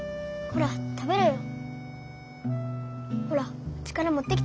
ほら食べろよ。